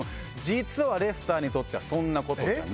実はレスターにとってはそんなことがないんです。